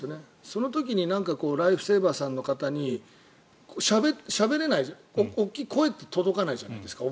その時にライフセーバーさんの方にしゃべれない声って届かないじゃないですか。